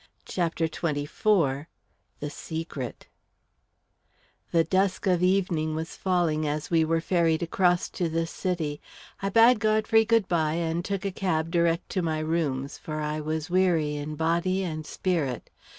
CHAPTER XXIV The Secret The dusk of evening was falling as we were ferried across to the city. I bade Godfrey good bye, and took a cab direct to my rooms, for I was weary in body and spirit.